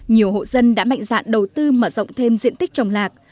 nhiều hộ dân đã mạnh dạn đầu tư mở rộng thêm diện tích trồng lạc